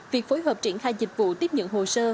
việc phối hợp triển khai dịch vụ tiếp nhận hồ sơ